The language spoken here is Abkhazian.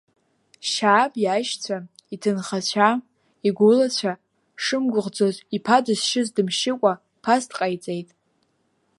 Шьааб иашьцәа, иҭынхацәа, игәылацәа шымгәыӷӡоз иԥа дызшьыз дымшьыкәа, ԥас дҟаиҵеит.